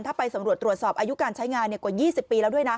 ถ้าไปสำรวจตรวจสอบอายุการใช้งานกว่า๒๐ปีแล้วด้วยนะ